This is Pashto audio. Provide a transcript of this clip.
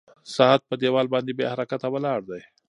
ساعت په دیوال باندې بې حرکته ولاړ دی.